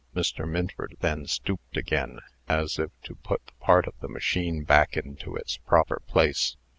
Mr. Minford then stooped again, as if to put the part of the machine back into its proper place.